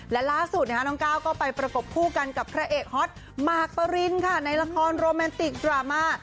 และล่าสุดน้องก้าวก็ไปประกบคู่กันกับพระเอกฮอตมากปรินค่ะในละครโรแมนติกดราม่า